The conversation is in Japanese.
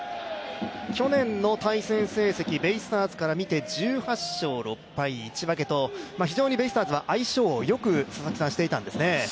去年の対戦成績ベイスターズから見て１８勝６敗１分けと、非常にベイスターズは相性良くしていたんですね。